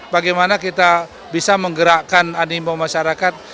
bagaimana kita bisa menggerakkan animo masyarakat